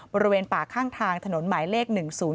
บริเวณป่าข้างทางถนนหมายเลข๑๐๔